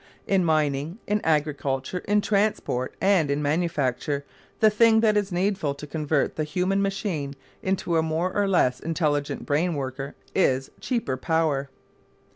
In mining, in agriculture, in transport and in manufacture the thing that is needful to convert the "human machine" into a more or less intelligent brainworker is cheaper power.